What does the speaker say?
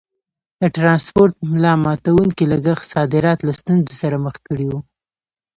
د ټرانسپورټ ملا ماتوونکي لګښت صادرات له ستونزو سره مخ کړي وو.